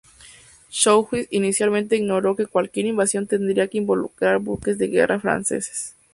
Choiseul inicialmente ignoró que cualquier invasión tendría que involucrar buques de guerra franceses.